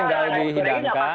iya jangan sampe gosong lah ya